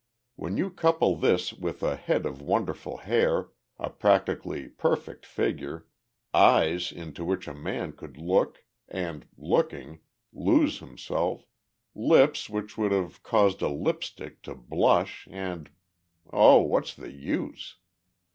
When you couple this with a head of wonderful hair, a practically perfect figure, eyes into which a man could look and, looking, lose himself, lips which would have caused a lip stick to blush and Oh, what's the use?